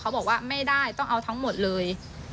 บอกว่าไม่ได้ต้องเอาทั้งหมดเลย